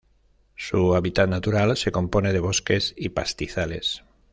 Su hábitat natural se compone de bosque y pastizales.